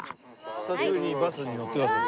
久しぶりにバスに乗ってください。